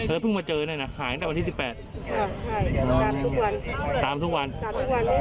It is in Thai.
เธอยได้พึงมาเจอหน่อยนะหายตั้งแต่วันที่๑๘ใช่ตามทุกวันตามทุกวัน